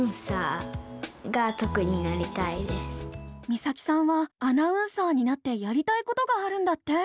実咲さんはアナウンサーになってやりたいことがあるんだって。